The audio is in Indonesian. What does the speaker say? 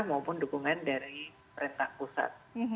ya maupun dukungan dari perintah pusat